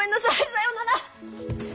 さよなら！